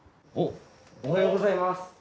おっおはようございます！